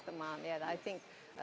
menggunakan kebanyakan barang